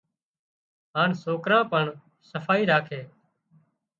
هانَ سوڪران پڻ صفائي راکي